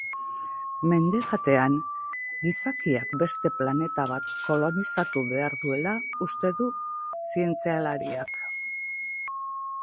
Mende batean gizakiak beste planeta bat kolonizatu behar duela uste du zientzialariak.